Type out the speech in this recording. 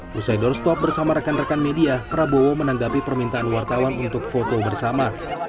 pusai doorstop bersama rekan rekan media prabowo menanggapi permintaan wartawan untuk foto bersama